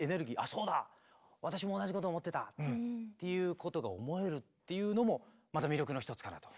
「そうだ私も同じこと思ってた」っていうことが思えるっていうのもまた魅力の一つかなと。